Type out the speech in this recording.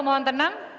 dan yang ke enam